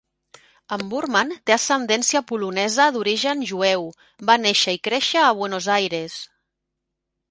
En Burman té ascendència polonesa d'origen jueu, va néixer i créixer a Buenos Aires.